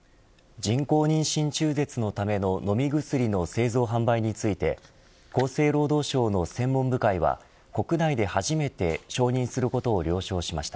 人工妊娠中絶のための飲み薬の製造販売について厚生労働省の専門部会は国内で初めて承認することを了承しました。